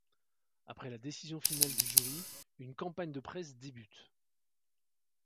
Après la décision finale du Jury, une campagne de presse débute.